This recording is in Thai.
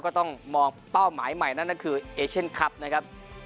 ก็ต้องมองเป้าหมายใหม่นั่นก็คือเอเชียนคลับนะครับ